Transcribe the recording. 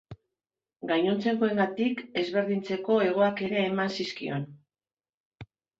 Gainontzekoengatik ezberdintzeko hegoak ere eman zizkion.